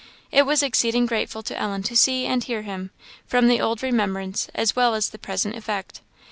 It was exceeding grateful to Ellen to see and hear him, from the old remembrance as well as the present effect.